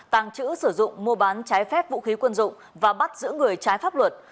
tàng trữ sử dụng mua bán trái phép vũ khí quân dụng và bắt giữ người trái pháp luật